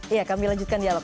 iya kami lanjutkan dialog